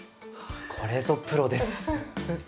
これぞプロです！